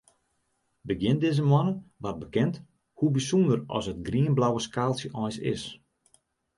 Begjin dizze moanne waard bekend hoe bysûnder as it grienblauwe skaaltsje eins is.